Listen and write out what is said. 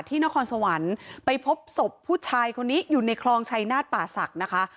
นครสวรรค์ไปพบศพผู้ชายคนนี้อยู่ในคลองชัยนาฏป่าศักดิ์นะคะ